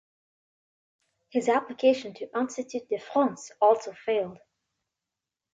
His application to Institut de France also failed.